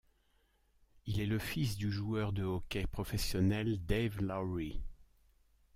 Il est le fils du joueur de hockey professionnel, Dave Lowry.